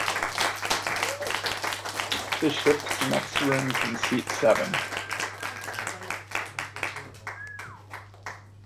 The ship's mess room can seat seven.